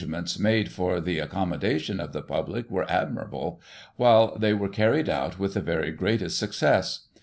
55 ments made for the accommodation of the public were admirable, while they were carried out with the very greatest success.